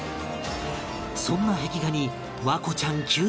そんな壁画に環子ちゃん急接近